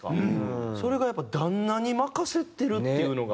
それがやっぱ旦那に任せてるっていうのが。